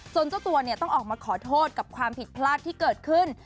เจ้าตัวเนี่ยต้องออกมาขอโทษกับความผิดพลาดที่เกิดขึ้น